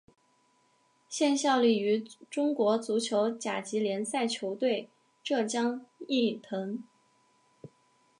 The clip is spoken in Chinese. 现效力于中国足球甲级联赛球队浙江毅腾。